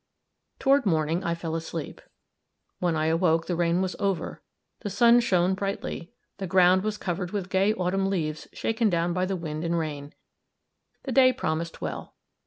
Toward morning I fell asleep; when I awoke the rain was over; the sun shone brightly; the ground was covered with gay autumn leaves shaken down by the wind and rain; the day promised well.